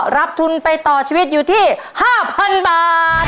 รับทุนต่อชีวิตอยู่ที่ห้าพันบาท